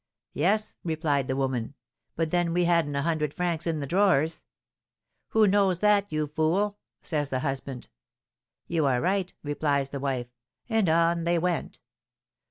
'Yes,' replied the woman; 'but then we hadn't a hundred francs in the drawers.' 'Who knows that, you fool?' says the husband. 'You are right,' replies the wife; and on they went.